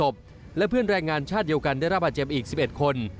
และเพื่อนแรงงานชาติเดียวกันได้รับบาดเจ็บอีก๑๑คน